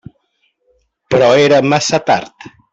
Però era massa tard.